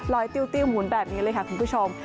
ติ้วหมุนแบบนี้เลยค่ะคุณผู้ชม